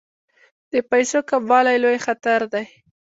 د پیسو کموالی لوی خطر دی.